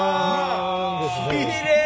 きれい！